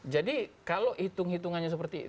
jadi kalau hitung hitungannya seperti